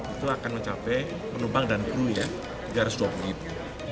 itu akan mencapai penumpang dan kru ya tiga ratus dua puluh ribu